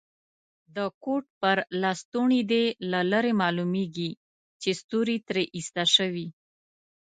د کوټ پر لستوڼي دي له لرې معلومیږي چي ستوري ترې ایسته شوي.